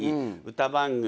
歌番組